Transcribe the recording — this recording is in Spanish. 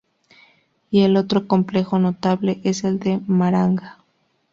El otro complejo notable es el de Maranga.